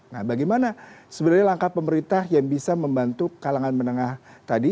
nah bagaimana sebenarnya langkah pemerintah yang bisa membantu kalangan menengah tadi